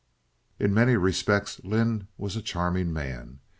In many respects Lynde was a charming man.